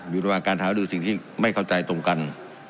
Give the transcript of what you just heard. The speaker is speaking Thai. อยู่ระหว่างการหารือสิ่งที่ไม่เข้าใจตรงกัน